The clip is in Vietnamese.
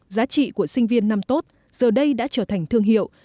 giá trị của sinh viên năm tốt giờ đây đã trở thành thương hiệu